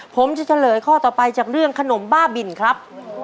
ผมจะเฉลยข้อต่อไปจากเรื่องขนมบ้าบินครับ